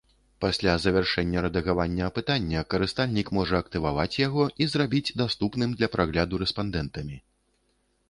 Пасля завяршэння рэдагавання апытання, карыстальнік можа актываваць яго і зрабіць даступным для прагляду рэспандэнтамі.